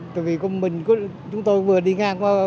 tại vì chúng tôi vừa đi ngang